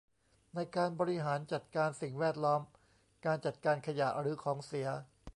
ในการบริหารจัดการสิ่งแวดล้อมการจัดการขยะหรือของเสีย